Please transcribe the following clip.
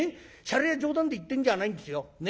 シャレや冗談で言ってんじゃないんですよ。